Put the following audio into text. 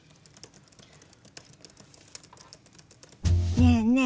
ねえねえ